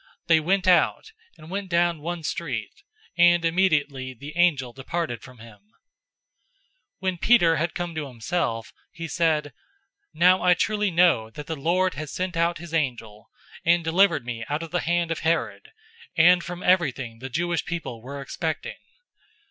They went out, and went down one street, and immediately the angel departed from him. 012:011 When Peter had come to himself, he said, "Now I truly know that the Lord has sent out his angel and delivered me out of the hand of Herod, and from everything the Jewish people were expecting."